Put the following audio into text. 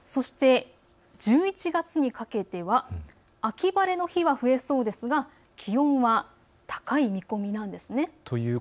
１１月にかけては秋晴れの日は増えそうですが気温は高い見込みです。